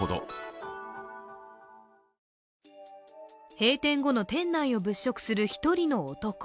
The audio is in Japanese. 閉店後の店内を物色する一人の男。